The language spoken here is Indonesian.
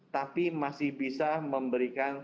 tapi masih bisa memberikan